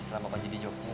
selama panji di jogja